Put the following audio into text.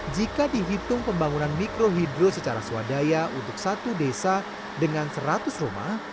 jika dihitung pembangunan mikrohidro secara swadaya untuk satu desa dengan seratus rumah